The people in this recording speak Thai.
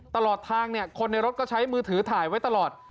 ตลอดทางคนในรถก็ใช้มือถือถ่ายไว้ตลอด